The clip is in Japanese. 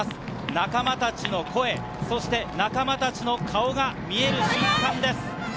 仲間たちの声、そして仲間たちの顔が見える瞬間です。